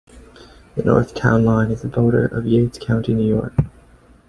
The north town line is the border of Yates County, New York.